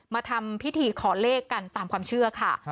มาทำพิธีขอเลขกันตามความเชื่อค่ะ